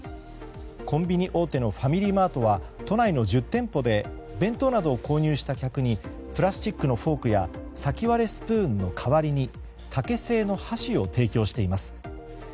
コンビニ大手のファミリーマートは都内の１０店舗で弁当などを購入した客にプラスチックのフォークや先割れスプーンの代わりに竹製の箸を提供しています。